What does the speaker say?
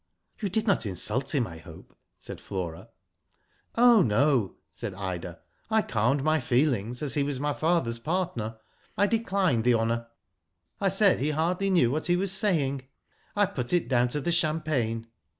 " You did not insult him I hope ?" said Flora. "Oh no!" said Ida. "I calmed my feelings, as he was my father's partner. I declined the honour. I said he hardly knew what he was saying, I put it down to the champagne."